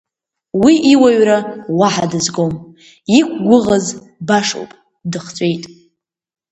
Уи иуаҩра уаҳа дазгом, иқәгәыӷыз, башоуп, дыхҵәеит.